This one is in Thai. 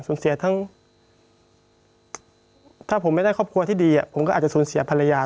เสียทั้งถ้าผมไม่ได้ครอบครัวที่ดีผมก็อาจจะสูญเสียภรรยา